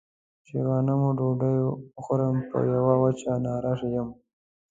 چې د غنمو ډوډۍ وخورم په يوه وچه ناره يم.